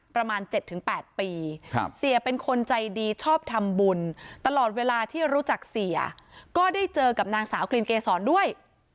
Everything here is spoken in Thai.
ประมาณ๗๘ปีเสียเป็นคนใจดีชอบทำบุญตลอดเวลาที่รู้จักเสียก็ได้เจอกับนางสาวกลิ่นเกษรด้วย